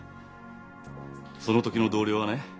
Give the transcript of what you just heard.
その時の同僚はね